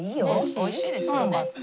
おいしいですよね。